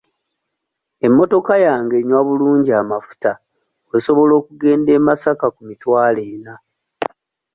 Emmotoka yange enywa bulungi amafuta osobola okugenda e Masaka ku mitwalo ena.